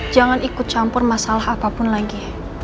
jangan ikut campur masalah apapun lagi